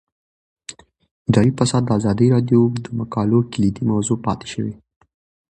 اداري فساد د ازادي راډیو د مقالو کلیدي موضوع پاتې شوی.